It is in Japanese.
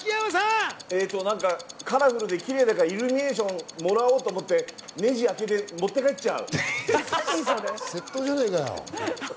カラフルでキレイだから、イルミネーションをもらおうと思ってネジを開けて持って帰っちゃう。